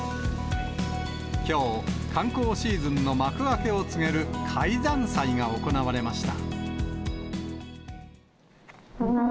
きょう、観光シーズンの幕開けを告げる開山祭が行われました。